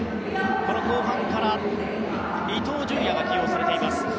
この後半から伊東純也が起用されています。